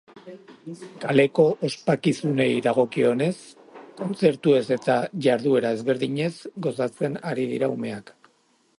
Kaleko ospakizunei dagokionez, kontzertuez eta jarduera ezberdinez gozatzen ari dira umeak.